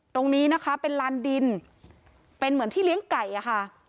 ตรงนี้นะคะเป็นลานดินเป็นเหมือนที่เลี้ยงไก่อะค่ะ